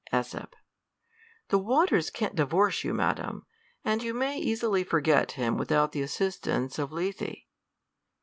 jEs. The waters can't divorce you, madam; and you may easily forget him without the assistance of lethe.